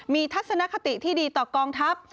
มีทัศนคติที่ดีต่อกองทัพ